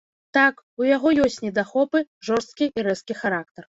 Так, у яго ёсць недахопы, жорсткі і рэзкі характар.